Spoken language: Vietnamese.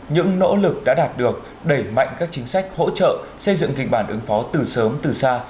những nỗ lực đã đạt được đẩy mạnh các chính sách hỗ trợ xây dựng kịch bản ứng phó từ sớm từ xa